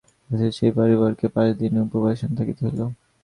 অবশেষে সেই পরিবারকে পাঁচ দিন উপবাসে থাকিতে হইল।